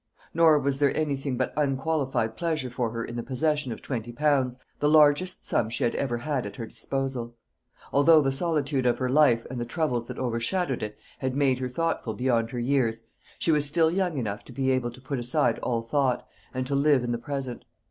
Nor was there anything but unqualified pleasure for her in the possession of twenty pounds the largest sum she had ever had at her disposal. Although the solitude of her life and the troubles that overshadowed it had made her thoughtful beyond her years, she was still young enough to be able to put aside all thought, and to live in the present.